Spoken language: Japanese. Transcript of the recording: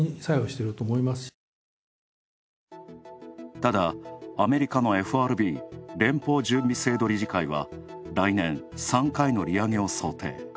ただ、アメリカのＦＲＢ＝連邦準備制度理事会は来年、３回の利上げを想定。